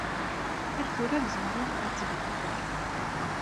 Ar tura tzemreḍ ad tbeddleḍ rray.